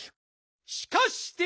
しかして！